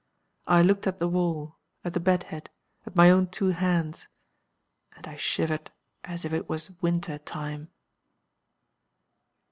I looked at the wall, at the bedhead, at my own two hands and I shivered as if it was winter time.